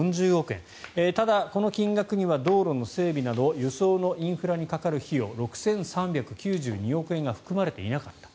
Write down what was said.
ただ、この金額には道路の整備など輸送のインフラにかかる費用６３９２億円が含まれていなかった。